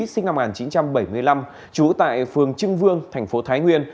sinh năm một nghìn chín trăm bảy mươi năm trú tại phường trưng vương thành phố thái nguyên